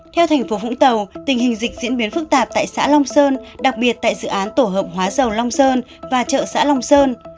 theo thành phố vũng tàu tình hình dịch diễn biến phức tạp tại xã long sơn đặc biệt tại dự án tổ hợp hóa dầu long sơn và chợ xã long sơn